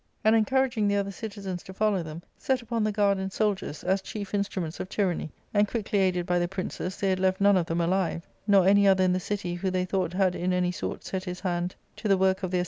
and, encouraging the other citizens to follow them, «/ set upon the guard and soldiers, as chief instruments of tyranny ; and, quickly aided by the princes, they had left none of them alive, nor any other in the city who they thought had in any sort set his hand to the work of their IS8 ARCADIA,— Book II.